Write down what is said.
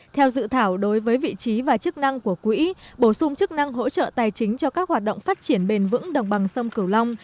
theo dự thảo đối với vị trí và chức năng của quỹ bổ sung chức năng hỗ trợ tài chính cho các hoạt động phát triển bền vững đồng bằng sông cửu long